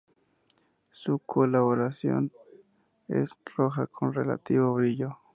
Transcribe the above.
Su coloración es roja con relativo brillo.